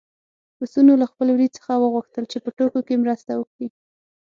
پسونو له خپل وري څخه وغوښتل چې په ټوکو کې مرسته وکړي.